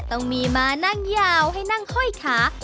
ต้องมีมานั่งยาวให้นั่งห้อยขา